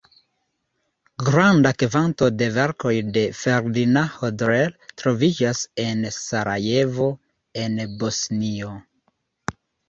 Granda kvanto de verkoj de Ferdinand Hodler troviĝas en Sarajevo, en Bosnio.